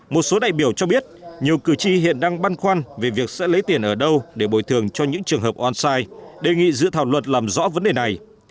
một số đại biểu cho biết nhiều cử tri hiện đang băn khoăn về việc sẽ lấy tiền ở đâu để bồi thường cho những trường hợp oan sai đề nghị dự thảo luật làm rõ vấn đề này